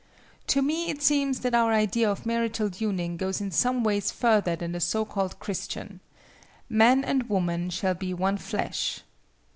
To me it seems that our idea of marital union goes in some ways further than the so called Christian. "Man and woman shall be one flesh."